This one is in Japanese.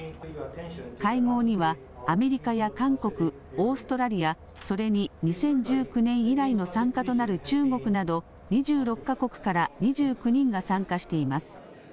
会合にはアメリカや韓国、オーストラリア、それに２０１９年以来の参加となる中国など２６か国から２９人が参加しています。